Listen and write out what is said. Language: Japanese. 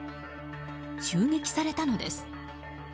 襲撃されたのです。